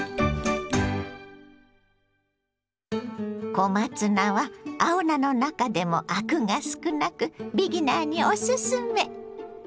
小松菜は青菜の中でもアクが少なくビギナーにおすすめ。